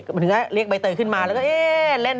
หมดถึงเรียกใบเตยขึ้นมาแล้วก็เฮ้ต